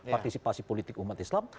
partisipasi politik umat islam